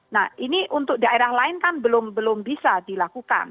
nah ini untuk daerah lain kan belum bisa dilakukan